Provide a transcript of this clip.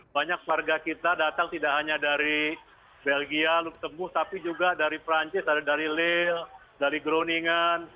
banyak warga kita datang tidak hanya dari belgia luxembourg tapi juga dari perancis dari lille dari groningen